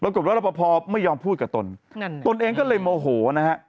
ปรากฏแล้วรอบพอร์ไม่ยอมพูดกับตนนั่นตนเองก็เลยโมโหนะฮะ